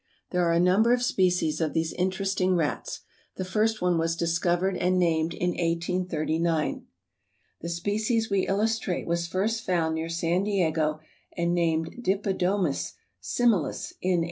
There are a number of species of these interesting rats. The first one was discovered and named in 1839. The species we illustrate was first found near San Diego and named Dipodomys similis in 1893.